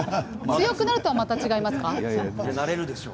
強くなるとは、また違いますか？